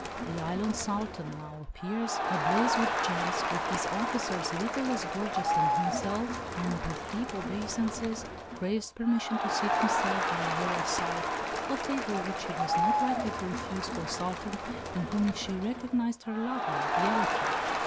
The island Sultan now appears, ablaze with gems, with his officers little less gorgeous than himself, and with deep obeisances craves permission to seat himself by Aurora's side, a favour which she was not likely to refuse to a Sultan in whom she recognised her lover, the Elector.